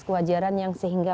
kewajaran yang sehingga